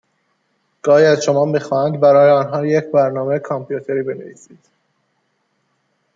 گاهی از شما میخواهند برای آنها یک برنامه کامپیوتری بنویسید